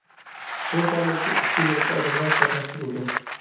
بۇ پائالىيەتكە ئىككى گۇرۇپپا ئادەملەر قاتناشتۇرۇلىدۇ.